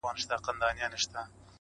درد کور ټول اغېزمن کوي تل-